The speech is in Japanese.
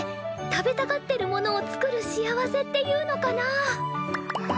食べたがってるものを作る幸せっていうのかな。